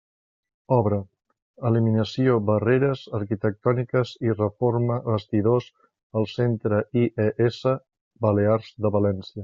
Obra: eliminació barreres arquitectòniques i reforma vestidors al centre IES Balears de València.